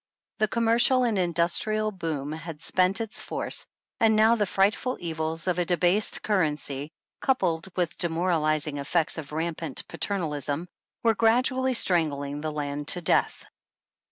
The commercial and industrial boom had spent its force, and now the frightful evils of a debased currency, coupled with demoralizing effects of rampant paternalism, were gradually strangling the land to death.